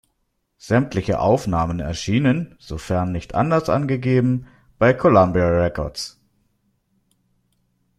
Sämtliche Aufnahmen erschienen, sofern nicht anders angegeben, bei Columbia Records.